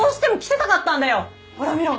ほら見ろ。